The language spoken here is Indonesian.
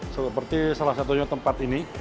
seperti salah satunya tempat ini